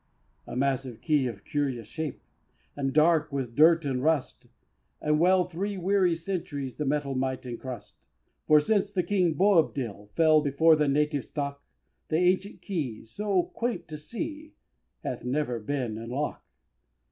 A massive Key of curious shape, And dark with dirt and rust, And well three weary centuries The metal might encrust! For since the King Boabdil fell Before the native stock, That ancient Key, so quaint to see, Hath never been in lock.